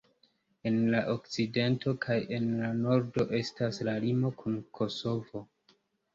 En la okcidento kaj en la nordo estas la limo kun Kosovo.